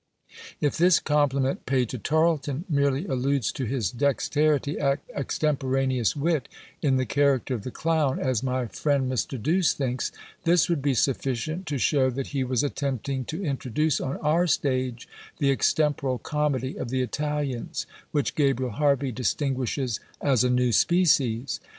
If this compliment paid to Tarleton merely alludes to his dexterity at extemporaneous wit in the character of the clown, as my friend Mr. Douce thinks, this would be sufficient to show that he was attempting to introduce on our stage the extemporal comedy of the Italians, which Gabriel Harvey distinguishes as "a new species."